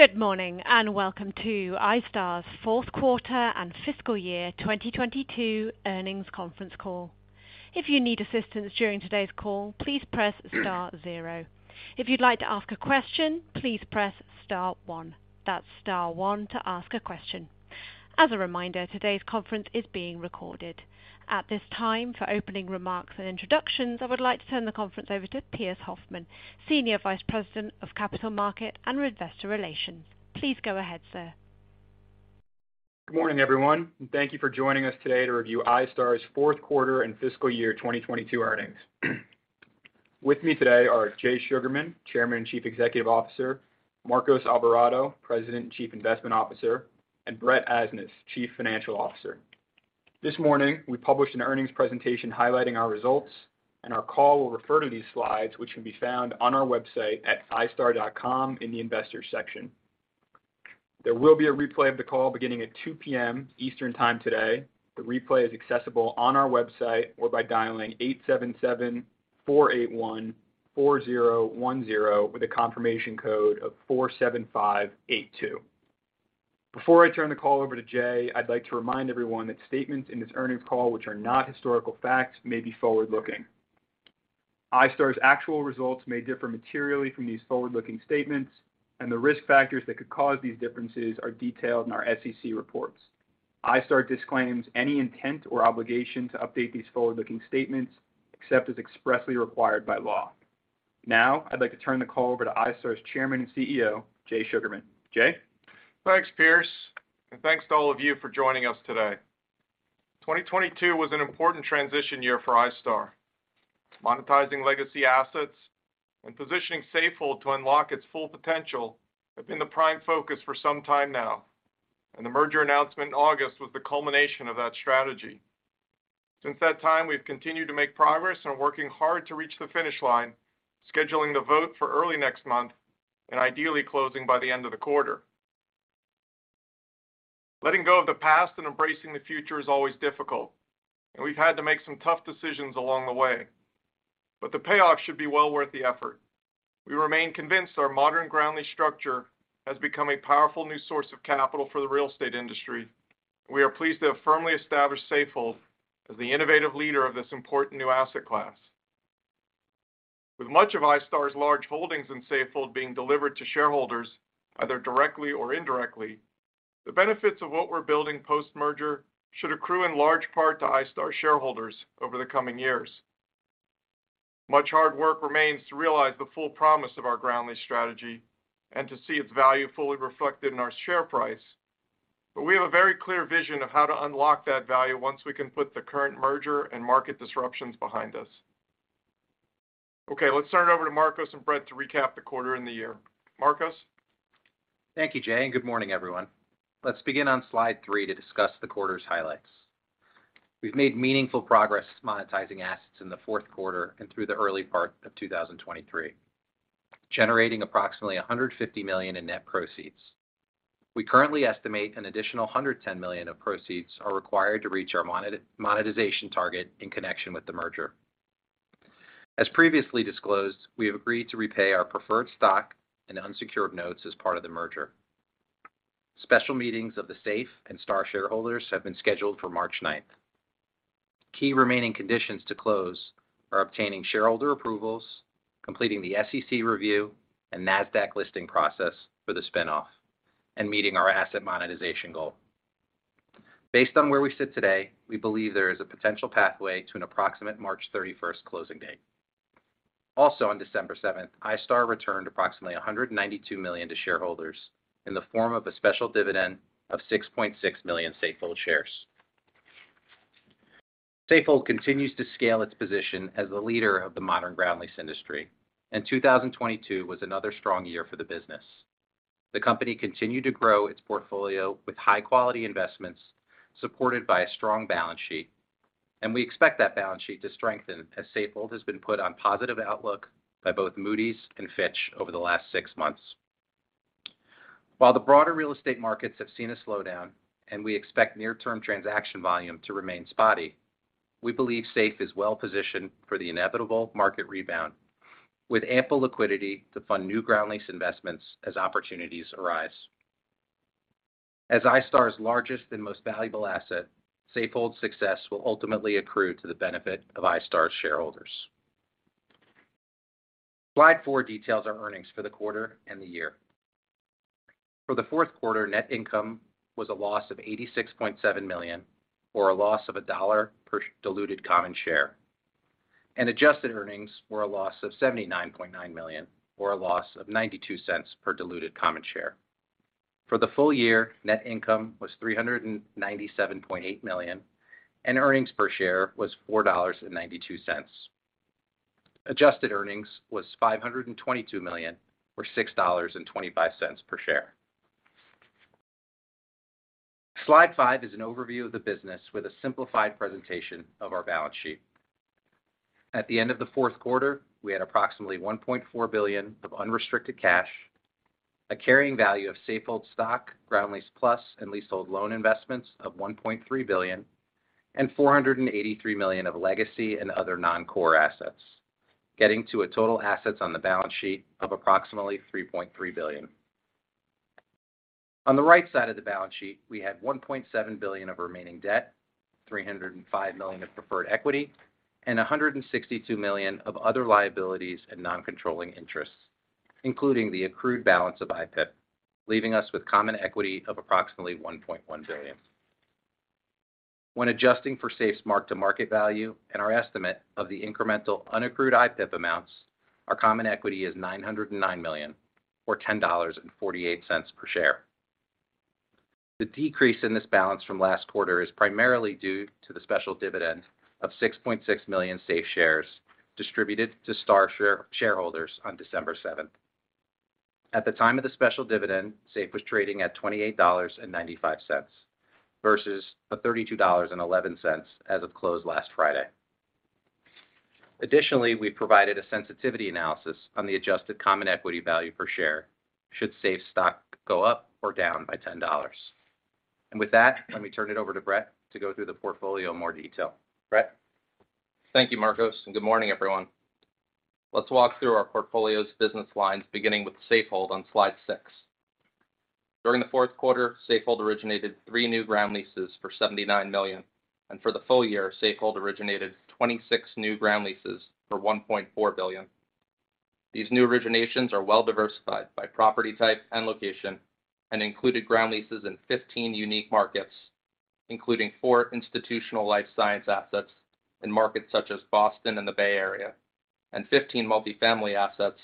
Good morning, and welcome to iStar's fourth quarter and fiscal year 2022 earnings conference call. If you need assistance during today's call, please press star zero. If you'd like to ask a question, please press star one. That's star one to ask a question. As a reminder, today's conference is being recorded. At this time, for opening remarks and introductions, I would like to turn the conference over to Pearse Hoffmann, Senior Vice President of Capital Market and Investor Relations. Please go ahead, sir. Good morning, everyone, thank you for joining us today to review iStar's fourth quarter and fiscal year 2022 earnings. With me today are Jay Sugarman, Chairman and Chief Executive Officer, Marcos Alvarado, President and Chief Investment Officer, and Brett Asnas, Chief Financial Officer. This morning, we published an earnings presentation highlighting our results, and our call will refer to these slides, which can be found on our website at istar.com in the Investors section. There will be a replay of the call beginning at 2:00 P.M. Eastern Time today. The replay is accessible on our website or by dialing eight seven seven four eight one four zero one zero with a confirmation code of four seven five eight two. Before I turn the call over to Jay, I'd like to remind everyone that statements in this earnings call which are not historical facts may be forward-looking. iStar's actual results may differ materially from these forward-looking statements, and the risk factors that could cause these differences are detailed in our SEC reports. iStar disclaims any intent or obligation to update these forward-looking statements except as expressly required by law. Now, I'd like to turn the call over to iStar's Chairman and CEO, Jay Sugarman. Jay? Thanks, Pearse, and thanks to all of you for joining us today. 2022 was an important transition year for iStar. Monetizing legacy assets and positioning Safehold to unlock its full potential have been the prime focus for some time now. The merger announcement in August was the culmination of that strategy. Since that time, we've continued to make progress and are working hard to reach the finish line, scheduling the vote for early next month and ideally closing by the end of the quarter. Letting go of the past and embracing the future is always difficult, and we've had to make some tough decisions along the way, but the payoff should be well worth the effort. We remain convinced our modern ground lease structure has become a powerful new source of capital for the real estate industry. We are pleased to have firmly established Safehold as the innovative leader of this important new asset class. With much of iStar's large holdings in Safehold being delivered to shareholders either directly or indirectly, the benefits of what we're building post-merger should accrue in large part to iStar shareholders over the coming years. Much hard work remains to realize the full promise of our ground lease strategy and to see its value fully reflected in our share price, but we have a very clear vision of how to unlock that value once we can put the current merger and market disruptions behind us. Let's turn it over to Marcos and Brett to recap the quarter and the year. Marcos? Thank you, Jay. Good morning, everyone. Let's begin on slide 3 to discuss the quarter's highlights. We've made meaningful progress monetizing assets in the fourth quarter and through the early part of 2023, generating approximately $150 million in net proceeds. We currently estimate an additional $110 million of proceeds are required to reach our monetization target in connection with the merger. As previously disclosed, we have agreed to repay our preferred stock and unsecured notes as part of the merger. Special meetings of the SAFE and STAR shareholders have been scheduled for March 9th. Key remaining conditions to close are obtaining shareholder approvals, completing the SEC review, and Nasdaq listing process for the spin-off, and meeting our asset monetization goal. Based on where we sit today, we believe there is a potential pathway to an approximate March 31st closing date. On December 7th, iStar returned approximately $192 million to shareholders in the form of a special dividend of 6.6 million Safehold shares. Safehold continues to scale its position as the leader of the modern ground lease industry, and 2022 was another strong year for the business. The company continued to grow its portfolio with high-quality investments supported by a strong balance sheet, and we expect that balance sheet to strengthen as Safehold has been put on positive outlook by both Moody's and Fitch over the last six months. While the broader real estate markets have seen a slowdown, and we expect near-term transaction volume to remain spotty, we believe SAFE is well positioned for the inevitable market rebound with ample liquidity to fund new ground lease investments as opportunities arise. As iStar's largest and most valuable asset, Safehold's success will ultimately accrue to the benefit of iStar's shareholders. Slide four details our earnings for the quarter and the year. For the fourth quarter, net income was a loss of $86.7 million or a loss of $1 per diluted common share, and adjusted earnings were a loss of $79.9 million or a loss of $0.92 per diluted common share. For the full year, net income was $397.8 million, and earnings per share was $4.92. Adjusted earnings was $522 million or $6.25 per share. Slide five is an overview of the business with a simplified presentation of our balance sheet. At the end of the fourth quarter, we had approximately $1.4 billion of unrestricted cash, a carrying value of Safehold stock, Ground Lease Plus and leasehold loan investments of $1.3 billion and $483 million of legacy and other non-core assets, getting to a total assets on the balance sheet of approximately $3.3 billion. On the right side of the balance sheet, we have $1.7 billion of remaining debt, $305 million of preferred equity, and $162 million of other liabilities and non-controlling interests, including the accrued balance of iPIP, leaving us with common equity of approximately $1.1 billion. When adjusting for SAFE's mark-to-market value and our estimate of the incremental unaccrued iPIP amounts, our common equity is $909 million, or $10.48 per share. The decrease in this balance from last quarter is primarily due to the special dividend of 6.6 million SAFE shares distributed to iStar shareholders on December 7th. At the time of the special dividend, SAFE was trading at $28.95 versus $32.11 as of close last Friday. Additionally, we provided a sensitivity analysis on the adjusted common equity value per share should SAFE stock go up or down by $10. With that, let me turn it over to Brett to go through the portfolio in more detail. Brett? Thank you, Marcos, and good morning, everyone. Let's walk through our portfolio's business lines, beginning with Safehold on slide six. During the fourth quarter, Safehold originated three new ground leases for $79 million, and for the full year, Safehold originated 26 new ground leases for $1.4 billion. These new originations are well-diversified by property type and location and included ground leases in 15 unique markets, including four institutional life science assets in markets such as Boston and the Bay Area, and 15 multifamily assets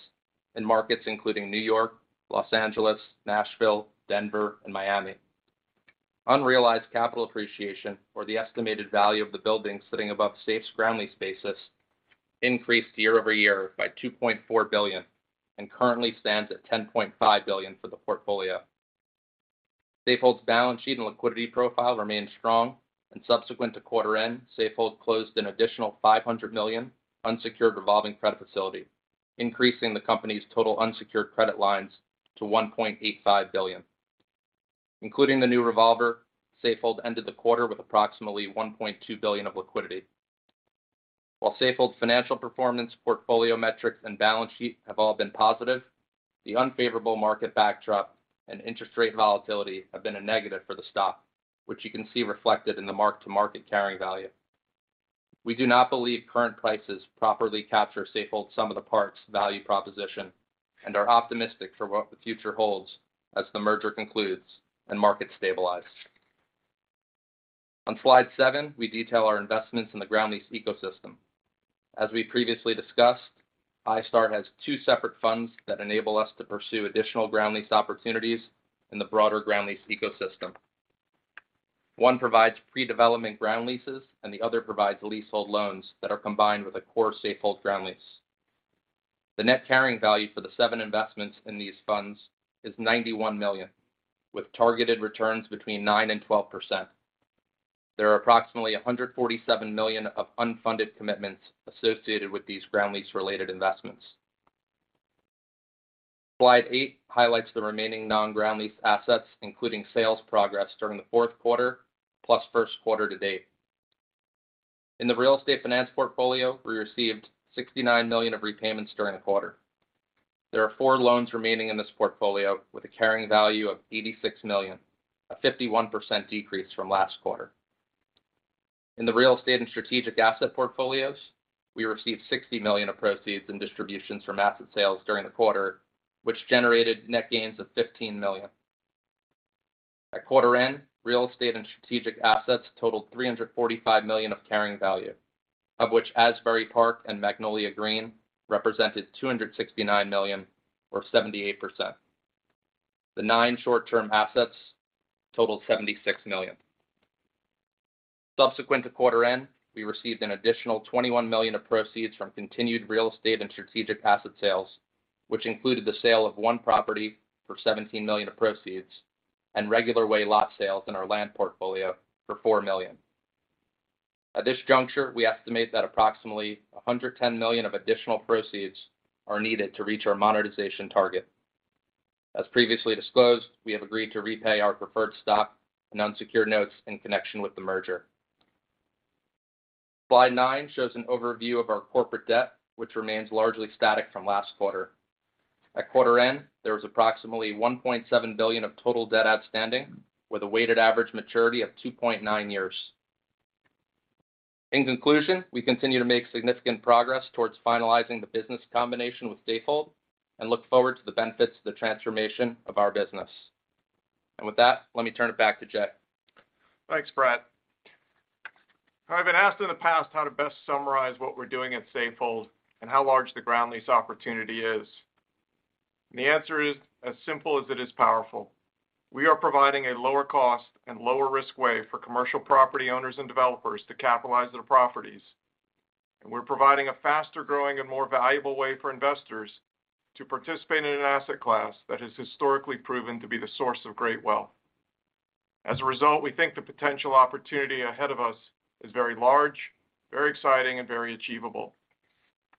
in markets including New York, Los Angeles, Nashville, Denver, and Miami. Unrealized capital appreciation for the estimated value of the buildings sitting above SAFE's ground lease basis increased year-over-year by $2.4 billion and currently stands at $10.5 billion for the portfolio. Safehold's balance sheet and liquidity profile remain strong, and subsequent to quarter end, Safehold closed an additional $500 million unsecured revolving credit facility, increasing the company's total unsecured credit lines to $1.85 billion. Including the new revolver, Safehold ended the quarter with approximately $1.2 billion of liquidity. While Safehold's financial performance, portfolio metrics, and balance sheet have all been positive, the unfavorable market backdrop and interest rate volatility have been a negative for the stock, which you can see reflected in the mark-to-market carrying value. We do not believe current prices properly capture Safehold's sum-of-the-parts value proposition and are optimistic for what the future holds as the merger concludes and markets stabilize. On slide seven, we detail our investments in the ground lease ecosystem. As we previously discussed, iStar has two separate funds that enable us to pursue additional ground lease opportunities in the broader ground lease ecosystem. One provides pre-development ground leases, and the other provides leasehold loans that are combined with a core Safehold ground lease. The net carrying value for the seven investments in these funds is $91 million, with targeted returns between 9% and 12%. There are approximately $147 million of unfunded commitments associated with these ground lease-related investments. Slide eight highlights the remaining non-ground lease assets, including sales progress during the fourth quarter plus first quarter to date. In the real estate finance portfolio, we received $69 million of repayments during the quarter. There are four loans remaining in this portfolio with a carrying value of $86 million, a 51% decrease from last quarter. In the real estate and strategic asset portfolios, we received $60 million of proceeds and distributions from asset sales during the quarter, which generated net gains of $15 million. At quarter end, real estate and strategic assets totaled $345 million of carrying value, of which Asbury Park and Magnolia Green represented $269 million, or 78%. The nine short-term assets totaled $76 million. Subsequent to quarter end, we received an additional $21 million of proceeds from continued real estate and strategic asset sales, which included the sale of one property for $17 million of proceeds and regular way lot sales in our land portfolio for $4 million. At this juncture, we estimate that approximately $110 million of additional proceeds are needed to reach our monetization target. Previously disclosed, we have agreed to repay our preferred stock and unsecured notes in connection with the merger. Slide nine shows an overview of our corporate debt, which remains largely static from last quarter. At quarter end, there was approximately $1.7 billion of total debt outstanding, with a weighted average maturity of 2.9 years. In conclusion, we continue to make significant progress towards finalizing the business combination with Safehold and look forward to the benefits of the transformation of our business. With that, let me turn it back to Jay. Thanks, Brett. I've been asked in the past how to best summarize what we're doing at Safehold and how large the ground lease opportunity is. The answer is as simple as it is powerful. We are providing a lower cost and lower risk way for commercial property owners and developers to capitalize their properties. We're providing a faster-growing and more valuable way for investors to participate in an asset class that has historically proven to be the source of great wealth. As a result, we think the potential opportunity ahead of us is very large, very exciting, and very achievable.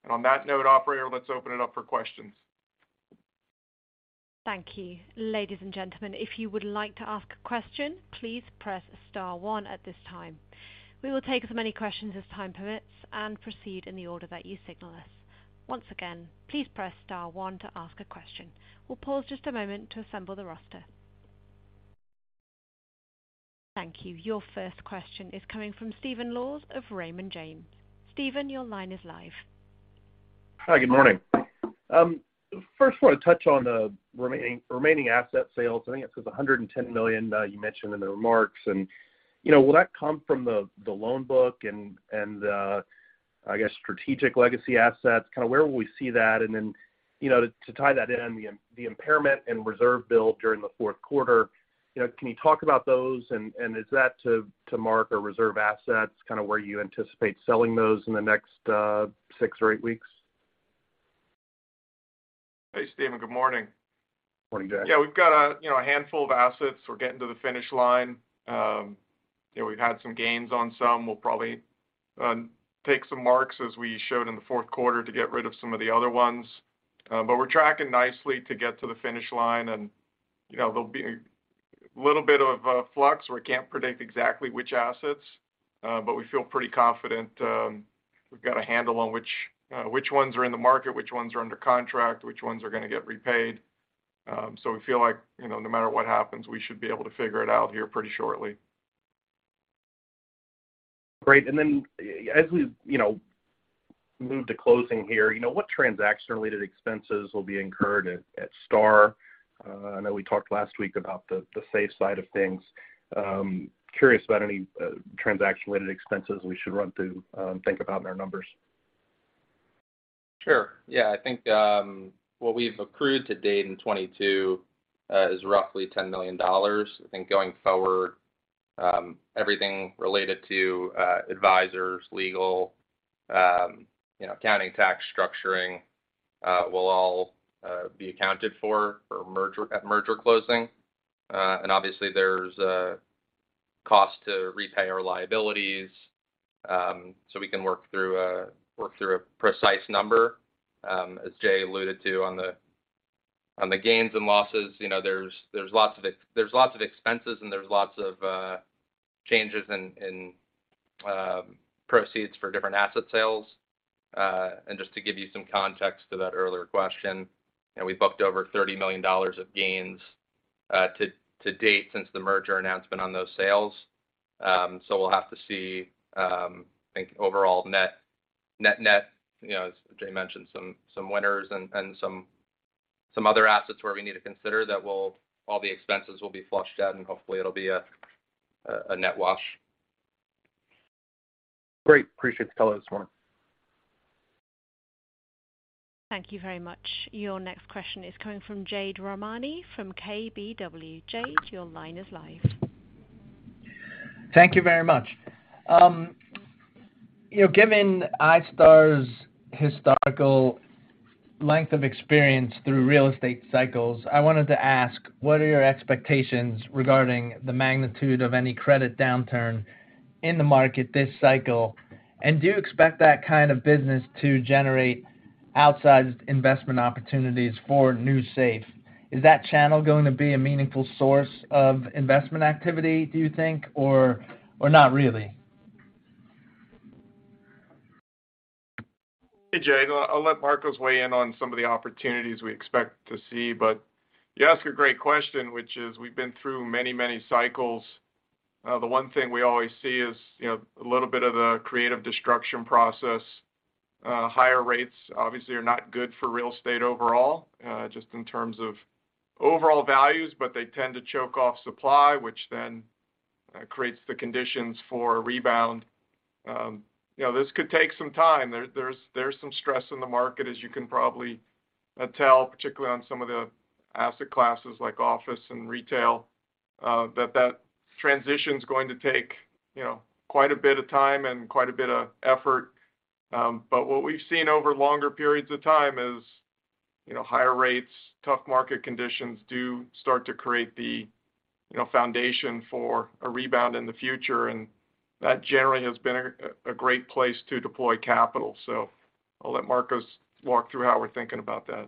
On that note, operator, let's open it up for questions. Thank you. Ladies and gentlemen, if you would like to ask a question, please press star one at this time. We will take as many questions as time permits and proceed in the order that you signal us. Once again, please press star one to ask a question. We'll pause just a moment to assemble the roster. Thank you. Your first question is coming from Stephen Laws of Raymond James. Stephen, your line is live. Hi, good morning. First I wanna touch on the remaining asset sales. I think it was $110 million you mentioned in the remarks, and, you know, will that come from the loan book and the, I guess strategic legacy assets? Kinda where will we see that? You know, to tie that in, the impairment and reserve build during the fourth quarter, you know, can you talk about those and is that to mark or reserve assets kinda where you anticipate selling those in the next six or eight weeks? Hey, Steven. Good morning. Morning, Jay. Yeah. We've got a, you know, a handful of assets. We're getting to the finish line. you know, we've had some gains on some. We'll probably take some marks as we showed in the fourth quarter to get rid of some of the other ones. We're tracking nicely to get to the finish line and, you know, there'll be a little bit of a flux where we can't predict exactly which assets, but we feel pretty confident. we've got a handle on which ones are in the market, which ones are under contract, which ones are gonna get repaid. We feel like, you know, no matter what happens, we should be able to figure it out here pretty shortly. Great. As we, you know, move to closing here, you know, what transaction related expenses will be incurred at STAR? I know we talked last week about the Safehold side of things. Curious about any transaction related expenses we should run through, think about in our numbers. Sure. Yeah. I think, what we've accrued to date in 2022, is roughly $10 million. I think going forward, everything related to advisors, legal, you know, accounting, tax structuring, will all be accounted for at merger closing. Obviously there's a cost to repay our liabilities, so we can work through a precise number. As Jay alluded to on the gains and losses, you know, there's lots of expenses and there's lots of changes in proceeds for different asset sales. Just to give you some context to that earlier question, you know, we booked over $30 million of gains to date since the merger announcement on those sales. We'll have to see, I think overall net-net, you know, as Jay mentioned, some winners and some other assets where we need to consider that will all the expenses will be flushed out and hopefully it'll be a net wash. Great. Appreciate the color this morning. Thank you very much. Your next question is coming from Jade Rahmani from KBW. Jade, your line is live. Thank you very much. You know, given iStar's historical length of experience through real estate cycles, I wanted to ask, what are your expectations regarding the magnitude of any credit downturn in the market this cycle? Do you expect that kind of business to generate outsized investment opportunities for Safehold? Is that channel going to be a meaningful source of investment activity, do you think, or not really? Hey, Jade. I'll let Marcos weigh in on some of the opportunities we expect to see. You ask a great question, which is we've been through many, many cycles. The one thing we always see is, you know, a little bit of a creative destruction process. Higher rates obviously are not good for real estate overall, just in terms of overall values, but they tend to choke off supply, which then creates the conditions for a rebound. You know, this could take some time. There's some stress in the market, as you can probably tell, particularly on some of the asset classes like office and retail, that transition's going to take, you know, quite a bit of time and quite a bit of effort. What we've seen over longer periods of time is, you know, higher rates, tough market conditions do start to create the, you know, foundation for a rebound in the future, and that generally has been a great place to deploy capital. I'll let Marcos walk through how we're thinking about that.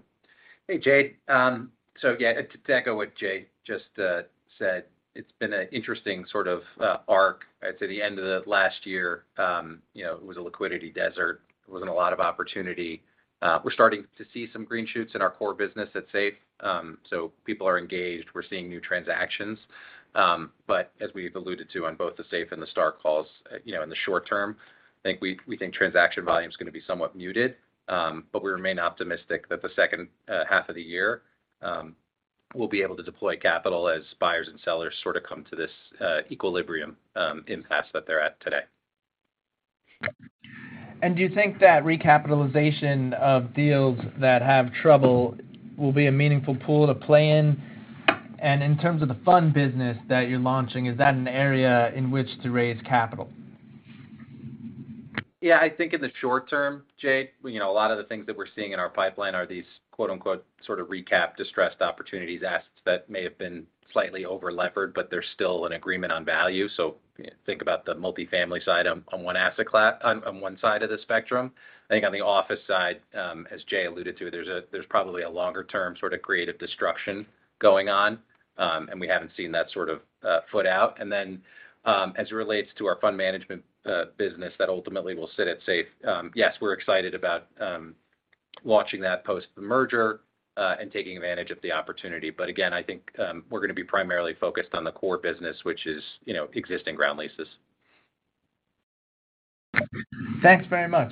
Hey, Jade. Yeah, to echo what Jay just said, it's been an interesting sort of arc to the end of the last year. You know, it was a liquidity desert. There wasn't a lot of opportunity. We're starting to see some green shoots in our core business at SAFE. People are engaged. We're seeing new transactions. As we've alluded to on both the SAFE and the STAR calls, you know, in the short term, I think we think transaction volume is gonna be somewhat muted. We remain optimistic that the second half of the year, we'll be able to deploy capital as buyers and sellers sort of come to this equilibrium impasse that they're at today. Do you think that recapitalization of deals that have trouble will be a meaningful pool to play in? In terms of the fund business that you're launching, is that an area in which to raise capital? Yeah, I think in the short term, Jade, you know, a lot of the things that we're seeing in our pipeline are these quote-unquote, sort of recap distressed opportunities, assets that may have been slightly over-levered, but there's still an agreement on value. Think about the multifamily side on one side of the spectrum. I think on the office side, as Jay alluded to, there's probably a longer-term sort of creative destruction going on. We haven't seen that sort of foot out. As it relates to our fund management business that ultimately will sit at SAFE, yes, we're excited about watching that post the merger and taking advantage of the opportunity. Again, I think, we're gonna be primarily focused on the core business, which is, you know, existing ground leases. Thanks very much.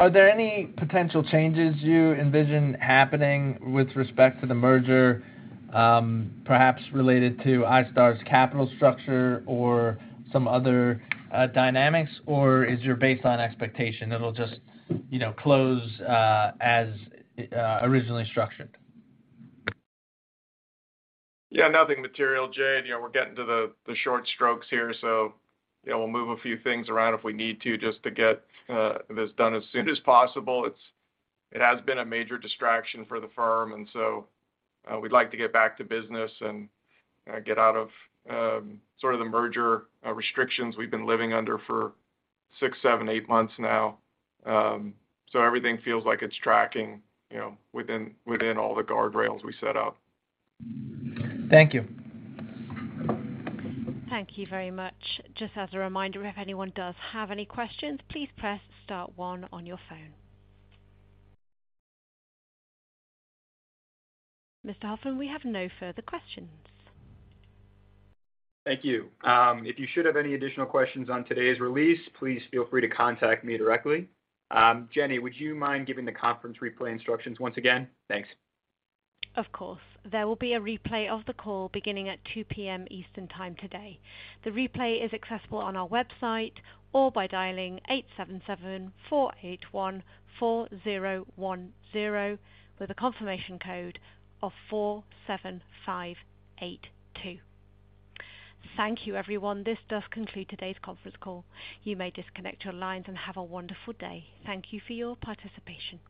Are there any potential changes you envision happening with respect to the merger, perhaps related to iStar's capital structure or some other dynamics? Or is your baseline expectation that it'll just, you know, close, as originally structured? Yeah, nothing material, Jade. You know, we're getting to the short strokes here. We'll move a few things around if we need to just to get this done as soon as possible. It has been a major distraction for the firm. We'd like to get back to business and get out of sort of the merger restrictions we've been living under for six, seven, eight months now. Everything feels like it's tracking, you know, within all the guardrails we set out. Thank you. Thank you very much. Just as a reminder, if anyone does have any questions, please press star one on your phone. Mr. Hoffmann, we have no further questions. Thank you. If you should have any additional questions on today's release, please feel free to contact me directly. Jenny, would you mind giving the conference replay instructions once again? Thanks. Of course. There will be a replay of the call beginning at 2:00 P.M. Eastern Time today. The replay is accessible on our website or by dialing eight seven seven four eight one four zero one zero with a confirmation code of four seven five eight two. Thank you, everyone. This does conclude today's conference call. You may disconnect your lines and have a wonderful day. Thank you for your participation.